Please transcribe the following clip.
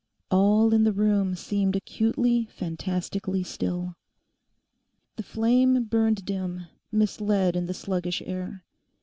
All in the room seemed acutely fantastically still. The flame burned dim, enisled in the sluggish air.